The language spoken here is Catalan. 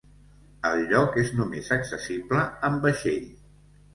El lloc és només accessible amb vaixell.